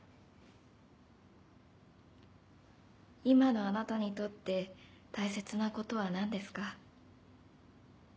今のあなたにとって大切なことは何ですか？